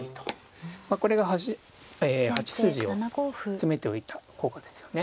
これが８筋を詰めておいた効果ですよね。